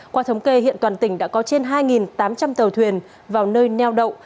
qua thống kê hiện toàn tỉnh đã có trên hai tám trăm linh tàu thuyền vào nơi neo đậu